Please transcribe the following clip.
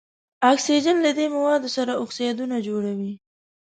اکسیجن له دې موادو سره اکسایدونه جوړوي.